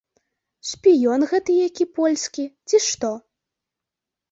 Шпіён гэта які польскі, ці што?